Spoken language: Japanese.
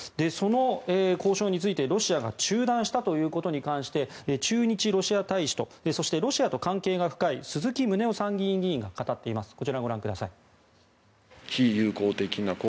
その交渉についてロシアが中断したことに関して駐日ロシア大使とそしてロシアと関係が深い鈴木宗男参議院議員が語っています。